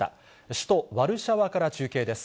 首都ワルシャワから中継です。